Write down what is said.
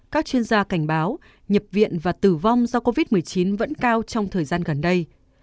các chuyên gia cảnh báo nhập viện và tử vong do covid một mươi chín vẫn cao trong thời gian gần đây